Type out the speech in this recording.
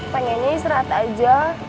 pengennya istirahat aja